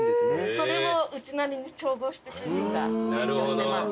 それをうちなりに調合して主人が提供してます。